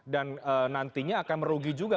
dan nantinya akan merugi juga